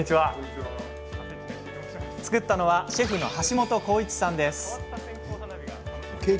作ったのはシェフの橋本宏一さんです。